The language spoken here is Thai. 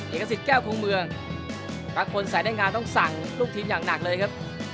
เอกสิทธิ์แก้วครูเมืองปรากฏสายได้งานต้องสั่งลูกทีมอย่างหนักเลยครับ